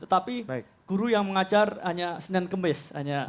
tetapi guru yang mengajar hanya senin kemis